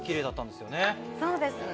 そうですね。